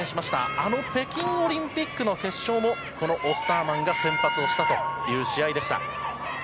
あの北京オリンピックの決勝もこのオスターマンが先発をしたという試合でした。